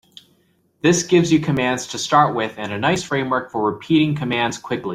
This gives you commands to start with and a nice framework for repeating commands quickly.